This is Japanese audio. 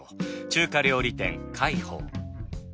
中華料理店開花。